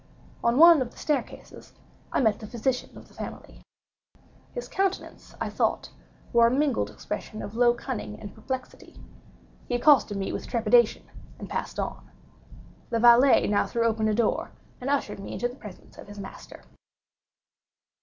On one of the staircases, I met the physician of the family. His countenance, I thought, wore a mingled expression of low cunning and perplexity. He accosted me with trepidation and passed on. The valet now threw open a door and ushered me into the presence of his master.